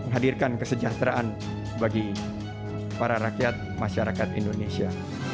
menghadirkan kesejahteraan bagi para rakyat masyarakat indonesia